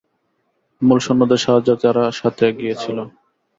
মূল সৈন্যদের সাহায্যার্থে এরা সাথে গিয়েছিল।